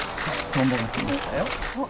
トンボが来ましたよ。